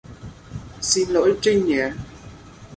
Xin lỗi Trinh nhé